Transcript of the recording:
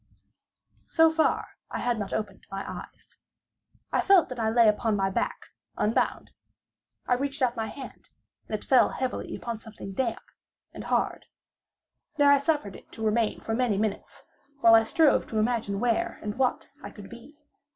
So far, I had not opened my eyes. I felt that I lay upon my back, unbound. I reached out my hand, and it fell heavily upon something damp and hard. There I suffered it to remain for many minutes, while I strove to imagine where and what I could be.